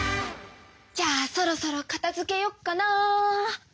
じゃあそろそろかたづけよっかな。